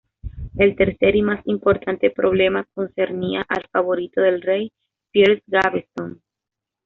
El tercer y más importante problema concernía al favorito del rey, Piers Gaveston.